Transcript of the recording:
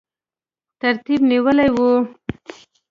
ترتیب نیولی وو.